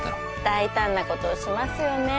大胆なことをしますよね